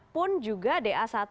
pun juga da satu